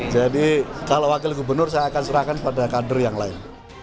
jadi kalau wakil gubernur saya akan serahkan pada kader yang lain